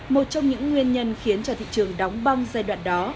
một trong những nguyên nhân khiến cho thị trường đóng băng giai đoạn đó